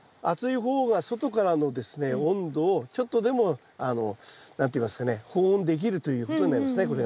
厚い方が外からのですね温度をちょっとでもあの何て言いますかね保温できるということになりますね